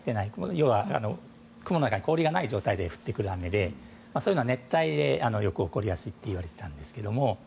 要は雲の中に氷が入っていない状態で降ってくる雨でそういうのは熱帯でよく起こりやすいといわれていたんですけれども。